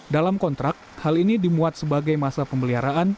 dalam kontrak hal ini dimuat sebagai masa pemeliharaan